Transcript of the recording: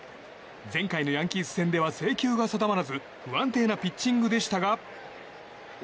前回のヤンキース戦では制球が定まらず不安定なピッチングでしたが。